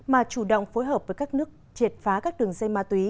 mà chủ động phối hợp với các nước triệt phá các đường dây ma túy